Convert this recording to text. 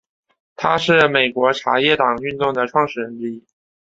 他是美国茶叶党运动的创始人之一。